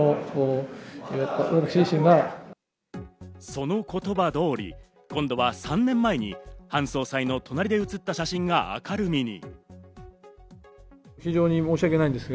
その言葉通り、今度は３年前にハン総裁の隣で写った写真が明るみに。